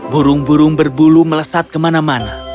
burung burung berbulu melesat kemana mana